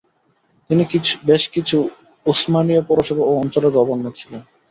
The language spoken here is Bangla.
তিনি বেশ কিছু উসমানীয় পৌরসভা ও অঞ্চলের গভর্নর ছিলেন।